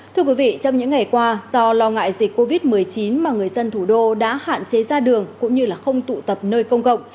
thưa quý vị trong những ngày qua do lo ngại dịch covid một mươi chín mà người dân thủ đô đã hạn chế ra đường cũng như không tụ tập nơi công cộng